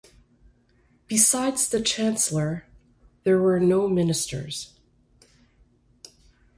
Besides the chancellor there were no ministers.